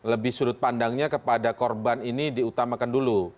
lebih sudut pandangnya kepada korban ini diutamakan dulu